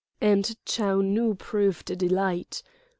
And Chou Nu proved a delight.